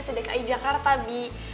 sedekai jakarta bi